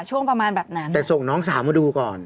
ช่วงประมาณแบบนั้นแต่ส่งน้องสาวมาดูก่อน